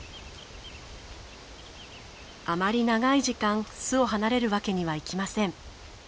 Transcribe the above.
あまり長い時間巣を離れるわけにはいきません。